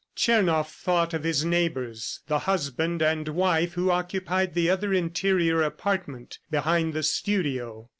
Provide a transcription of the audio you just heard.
Tchernoff thought of his neighbors, the husband and wife who occupied the other interior apartment behind the studio.